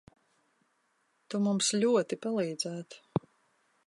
Tu mums ļoti palīdzētu.